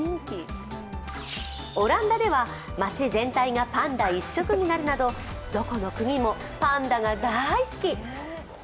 オランダでは、町全体がパンダ一色になるなど、どこの国もパンダが大好き。